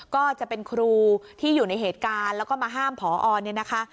ก็จะเป็นครูที่อยู่ในเหตุการณ์แล้วก็มาห้ามพอเนี่ยนะคะ